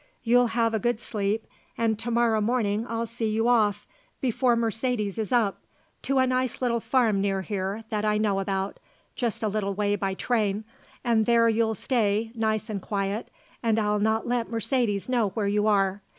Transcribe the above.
You'll have a good sleep and to morrow morning I'll see you off, before Mercedes is up, to a nice little farm near here that I know about just a little way by train and there you'll stay, nice and quiet, and I'll not let Mercedes know where you are.